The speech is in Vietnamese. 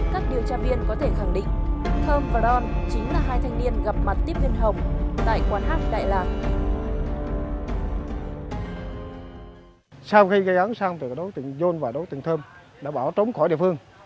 các điều tra viên có thể khẳng định thơm và don chính là hai thành viên